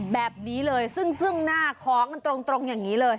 แบบนี้เลยซึ่งหน้าของกันตรงอย่างนี้เลย